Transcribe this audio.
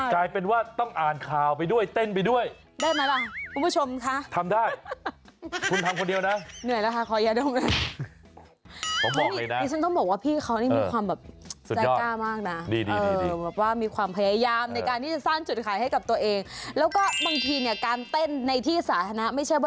ก็ต้องมีจุดคลายเหมือนกันทำรายการแล้วก็ต้องแบบ